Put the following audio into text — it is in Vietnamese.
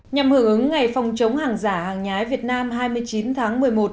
nhằm hưởng ứng ngày phòng chống hàng giả hàng nhái việt nam hai mươi chín tháng một mươi một